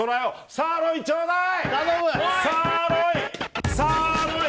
サーロイン、ちょうだい！